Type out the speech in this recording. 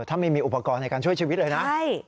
ถ้าไม่มีอุปกรณ์ในการช่วยชีวิตเลยนะ